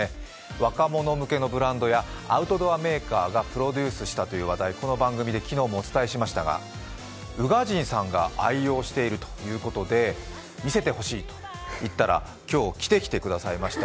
若者向けのブランドや、アウトドアメーカーがプロデュースしたという話題、この番組で昨日もお伝えしましたが、宇賀神さんが愛用しているということで、見せてほしいと言ったら、今日着てきていただきました。